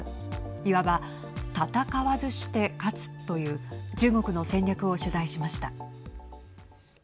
いわば、戦わずして勝つという中国の戦略を取材しました。